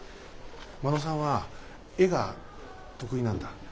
真野さんは絵が得意なんだ。